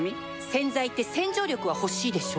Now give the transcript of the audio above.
洗剤って洗浄力は欲しいでしょ